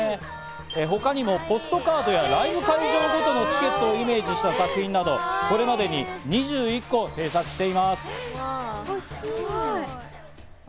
他にもポストカードやライブ会場ごとのチケットをイメージした作品など、これまでに２１個を制作しています。